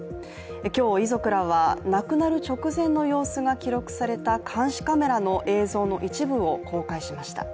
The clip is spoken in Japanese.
今日遺族らは亡くなる直前の様子が記録された監視カメラの映像の一部を公開しました。